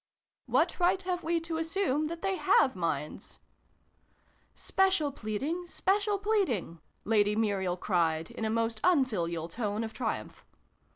"What right have we to assume that they have minds ?"" Special pleading, special pleading !" Lady Muriel cried, in a most unfilial tone of triumph.